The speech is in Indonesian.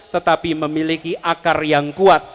tetapi memiliki akar yang kuat